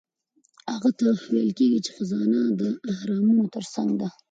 هغه ته ویل کیږي چې خزانه د اهرامونو ترڅنګ ده.